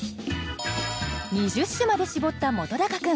２０首まで絞った本君